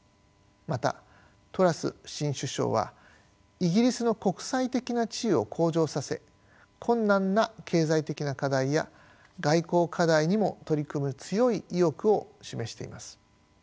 またトラス新首相はイギリスの国際的な地位を向上させ困難な経済的な課題や外交課題にも取り組む強い意欲を示しています。